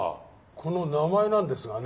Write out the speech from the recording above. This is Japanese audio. この名前なんですがね。